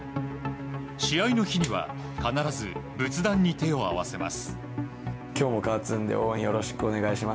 試合の日には必ず仏壇に手を合わせます。